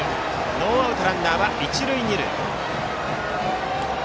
ノーアウトランナーは一塁二塁。